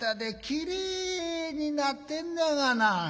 きれいになってんだがな。